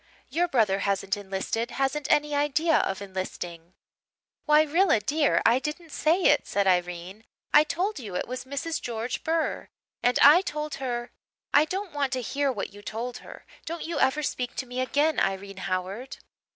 Your brother hasn't enlisted hasn't any idea of enlisting.' "'Why Rilla, dear, I didn't say it,' said Irene. 'I told you it was Mrs. George Burr. And I told her ' "'I don't want to hear what you told her. Don't you ever speak to me again, Irene Howard.'